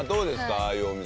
ああいうお店は。